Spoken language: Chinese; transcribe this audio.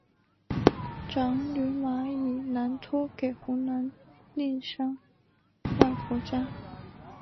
长女马以南托给湖南宁乡外婆家。